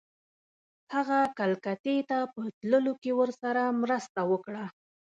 هغه کلکتې ته په تللو کې ورسره مرسته وکړه.